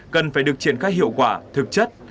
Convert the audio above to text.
cần phải được triển khai hiệu quả thực chất